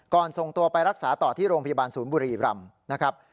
ส่งตัวไปรักษาต่อที่โรงพยาบาลศูนย์บุรีรำนะครับ